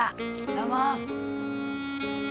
どうも。